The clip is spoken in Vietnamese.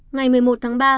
ngày một mươi một tháng ba